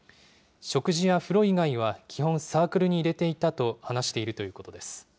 食事や風呂以外は、基本、サークルに入れていたと話しているということです。